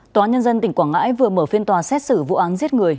tòa nhân dân tỉnh quảng ngãi vừa mở phiên tòa xét xử vụ án giết người